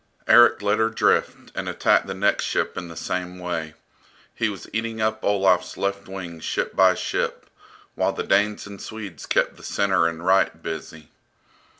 Erik let her drift and attacked the next ship in the same way. He was eating up Olaf's left wing ship by ship, while the Danes and Swedes kept the centre and right busy.